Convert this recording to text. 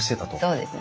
そうですね。